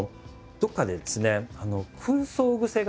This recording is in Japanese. どっかでですね